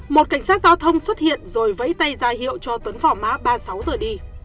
một cảnh sát giao thông xuất hiện rồi vẫy tay ra hiệu cho tuấn vỏ mã ba mươi sáu giờ đi